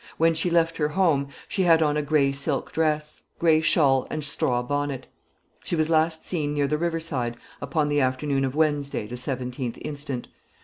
When she left her home, she had on a grey silk dress, grey shawl, and straw bonnet. She was last seen near the river side upon the afternoon of Wednesday, the 17th instant.